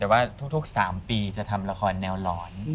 แต่ว่าทุก๓ปีจะทำละครแนวหลอน